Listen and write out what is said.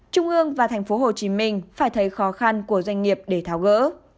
trung ương và tp hcm phải thấy khó khăn của doanh nghiệp để tháo gỡ